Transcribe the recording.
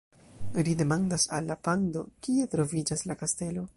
Ri demandas al la pando: "Kie troviĝas la kastelo?"